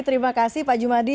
terima kasih pak jumadi